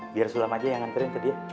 biar sulam aja yang nganterin ke dia